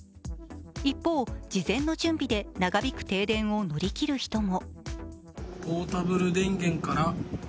一方、事前の準備で長引く停電を乗り切る人も。